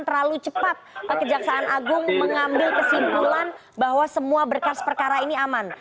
terlalu cepat kejaksaan agung mengambil kesimpulan bahwa semua berkas perkara ini aman